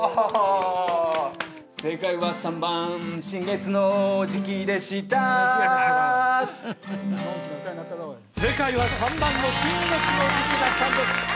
正解は３番「新月の時期」でした正解は３番の「新月の時期」だったんです